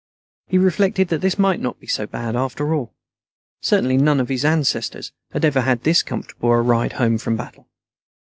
He reflected that this might not be so bad after all. Certainly none of his ancestors had ever had this comfortable a ride home from battle.